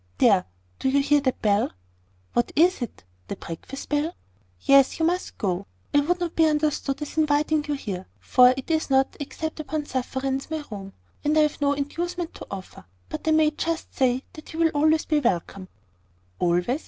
There! do you hear that bell?" "What is it? The breakfast bell?" "Yes. You must go. I would not be understood as inviting you here; for it is not, except upon sufferance, my room; and I have no inducement to offer. But I may just say, that you will always be welcome." "Always?"